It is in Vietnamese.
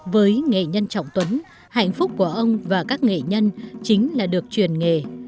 với nghệ nhân trọng tuấn hạnh phúc của ông và các nghệ nhân chính là được truyền nghề